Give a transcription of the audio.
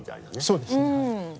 そうですねはい。